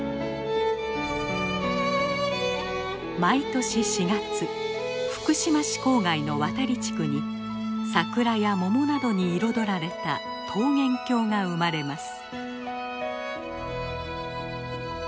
毎年４月福島市郊外の渡利地区に桜やモモなどに彩られた桃源郷が生まれます。